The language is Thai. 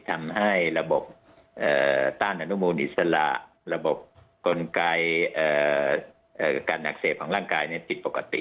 ทำให้ระบบต้านอนุมูลอิสระระบบกลไกการอักเสบของร่างกายผิดปกติ